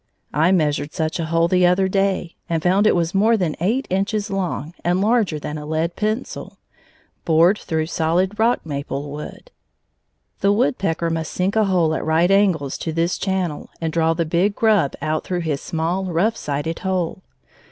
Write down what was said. I measured such a hole the other day, and found it was more than eight inches long and larger than a lead pencil, bored through solid rock maple wood. The woodpecker must sink a hole at right angles to this channel and draw the big grub out through his small, rough sided hole.